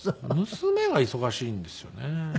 娘が忙しいんですよね。